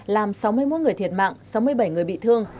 làm sáu mươi một người thiệt mạng sáu mươi bảy người bị thương